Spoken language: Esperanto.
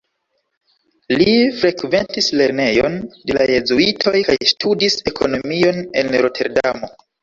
Li frekventis lernejon de la jezuitoj kaj studis ekonomion en Roterdamo.